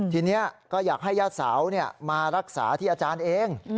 ทีนี้ก็อยากให้ญาติสาวมารักษาที่อาจารย์เอง